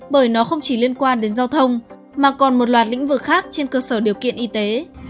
bởi nó không chỉ liên quan đến giao thông mà còn một loạt lĩnh vực khác trên cơ sở điều kiện y tế